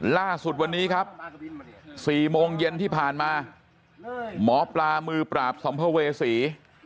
ล่าสุดวันนี้ครับ๔โมงเย็นที่ผ่านมาหมอปลามือปราบสัมภเวษี